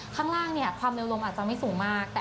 ข้างล่างความเร็วลมอาจจะไม่สูงมาก